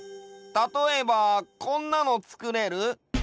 たとえばこんなのつくれる？